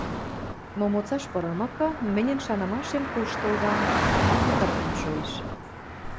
Момоцаш пырымыкы, мӹньӹн шанымашем куштылга, кытырымем шоэш.